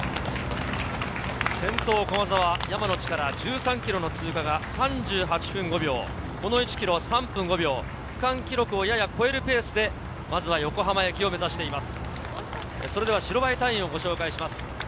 先頭の駒澤・山野力、１３ｋｍの通過が３８分５秒、この１ｋｍを３分５秒、区間記録をやや超えるペースで横浜駅を目指しています。